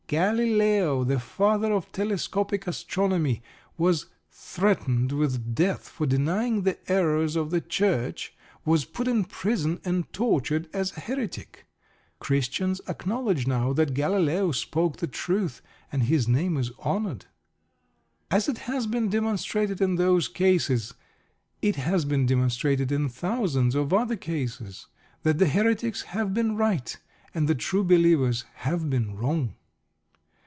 Galileo, the father of telescopic astronomy, was threatened with death for denying the errors of the Church, was put in prison and tortured as a heretic. Christians acknowledge now that Galileo spoke the truth, and his name is honoured. As it has been demonstrated in those cases, it has been demonstrated in thousands of other cases, that the Heretics have been right, and the True Believers have been wrong.